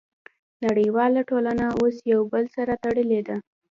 نړیواله ټولنه اوس یو بل سره تړلې ده